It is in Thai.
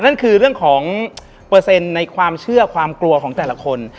นั่นคือเรื่องของเปอร์เซ็นต์ในความเชื่อความกลัวของแต่ละคน